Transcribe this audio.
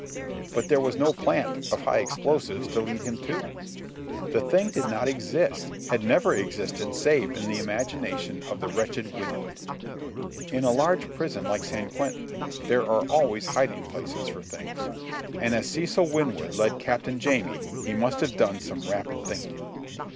But there was no plant of high explosives to lead him to. The thing did not exist, had never existed save in the imagination of the wretched Winwood. In a large prison like San Quentin there are always hiding places for things. And as Cecil Winwood led Captain Jamie he must have done some rapid thinking.